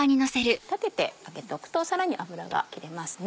立ててあげておくとさらに油が切れますね。